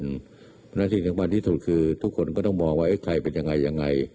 เพราะฉะนั้นสิ่งจากวันที่สุดคือทุกคนก็ต้องมองว่าไอ้ใครเป็นอย่างไร